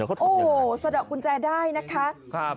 โอ้โหสะดอกกุญแจได้นะคะ